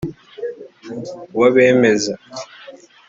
wabemeza